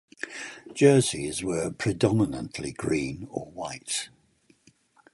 Jerseys were predominantly green or white.